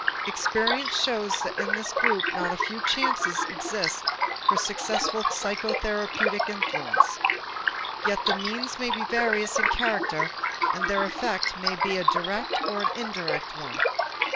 Experience shows that in this group not a few chances exist for successful psychotherapeutic influence. Yet the means may be various in character and their effect may be a direct or an indirect one.